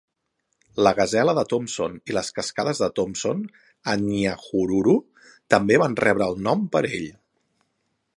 La gasela de Thomson i les cascades de Thomson, a Nyahururu, també van rebre el nom per ell.